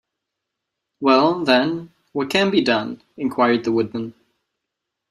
Well, then, what can be done? enquired the Woodman.